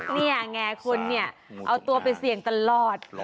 นี่ไงคนเนี่ยเอาตัวไปเสี่ยงตลอด